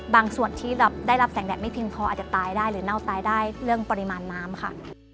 ส่วนที่ได้รับแสงแดดไม่เพียงพออาจจะตายได้หรือเน่าตายได้เรื่องปริมาณน้ำค่ะ